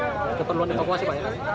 keterluan evakuasi banyak